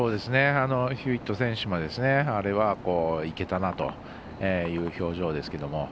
ヒューウェット選手もあれは、いけたなという表情ですけど。